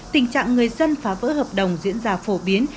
tình trạng người dân phá vỡ hợp đồng diễn ra phổ biến